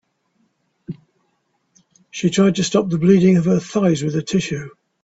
She tried to stop the bleeding of her thighs with a tissue.